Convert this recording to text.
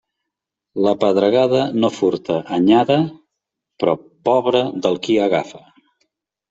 La pedregada no furta anyada, però pobre del qui agafa.